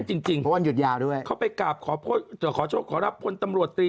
จริงจริงเพราะวันหยุดยาวด้วย